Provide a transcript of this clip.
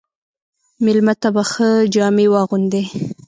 مېلمه ته به ښه جامې واغوندې.